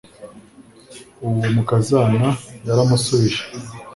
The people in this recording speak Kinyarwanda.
uwo mukazana yaramusubije